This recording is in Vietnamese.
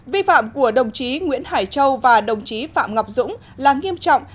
vi phạm của đồng chí nguyễn hải châu và đồng chí phạm ngọc dũng là nghiêm trọng